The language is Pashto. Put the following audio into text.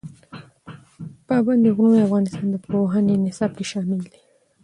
پابندی غرونه د افغانستان د پوهنې نصاب کې شامل دي.